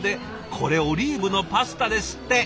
これオリーブのパスタですって！